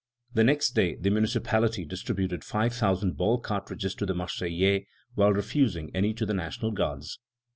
The next day the municipality distributed five thousand ball cartridges to the Marseillais, while refusing any to the National Guards.